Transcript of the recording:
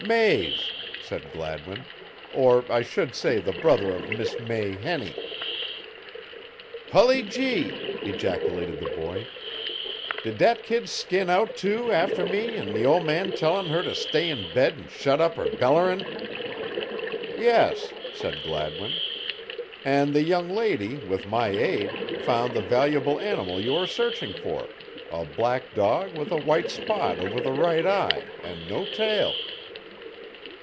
"May's," said Gladwin, "or I should say the brother of Miss May Henny." "Hully gee!" ejaculated the boy. "Did dat kid skin out too after me an' the old man tellin' her to stay in bed an' shut up her bellerin?" "Yes," said Gladwin, "and the young lady, with my aid, found the valuable animal you are searching for a black dog with a white spot over the right eye and no tail."